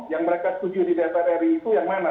yang mereka setuju di dprri itu yang mana